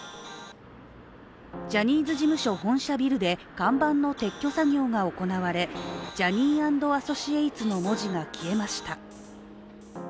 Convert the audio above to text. ジャニーズ事務所本社ビルで看板の撤去作業が行われＪｏｈｎｎｙ＆Ａｓｓｏｃｉａｔｅｓの文字が消えました。